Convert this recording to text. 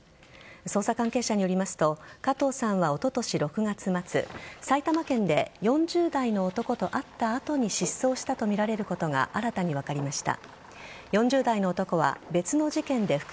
捜査関係者によりますと加藤さんはおととし６月末埼玉県で４０代の男と会った後に失踪したとみられることが新たに分かりました。